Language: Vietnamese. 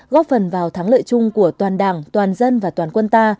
góp phần vào thắng lợi chung của toàn đảng toàn dân và toàn quân ta